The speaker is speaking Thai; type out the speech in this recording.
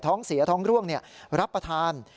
ท้องเสียท้องร่วงรับประทาน